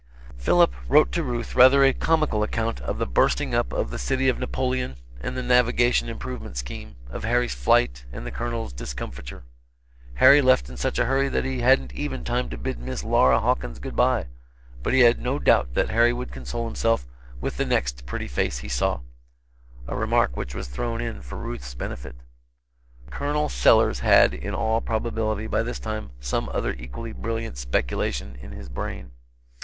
Philip, wrote to Ruth rather a comical account of the bursting up of the city of Napoleon and the navigation improvement scheme, of Harry's flight and the Colonel's discomfiture. Harry left in such a hurry that he hadn't even time to bid Miss Laura Hawkins good bye, but he had no doubt that Harry would console himself with the next pretty face he saw a remark which was thrown in for Ruth's benefit. Col. Sellers had in all probability, by this time, some other equally brilliant speculation in his brain.